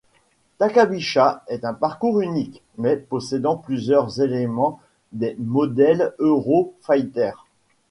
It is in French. Takabisha est un parcours unique mais possédant plusieurs éléments des modèles Euro-Fighter.